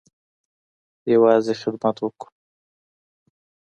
يوازې خدمت وکړو.